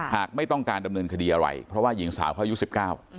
หากไม่ต้องการดำเนินคดีอะไรเพราะว่าหญิงสาวเขาอายุสิบเก้า